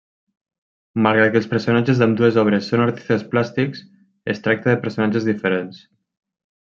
Malgrat que els personatges d'ambdues obres són artistes plàstics, es tracta de personatges diferents.